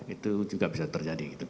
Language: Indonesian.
itu juga bisa terjadi